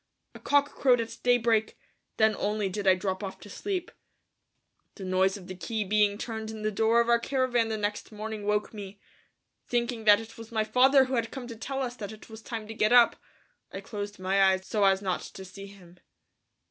A cock crowed at daybreak; then only did I drop off to sleep. The noise of the key being turned in the door of our caravan the next morning woke me. Thinking that it was my father who had come to tell us that it was time to get up, I closed my eyes so as not to see him.